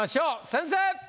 先生！